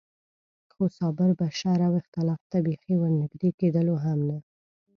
خو صابر به شر او اختلاف ته بېخي ور نږدې کېدلو هم نه.